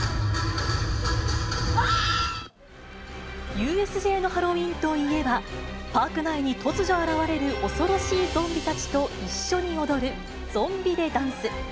ＵＳＪのハロウィーンといえば、パーク内に突如現れる恐ろしいゾンビたちと一緒に踊る、ゾンビ・デ・ダンス。